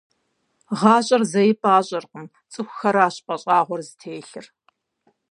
ГъащӀэр зэи пӀащӀэркъым, цӀыхухэращ пӀащӀэгъуэр зытелъыр.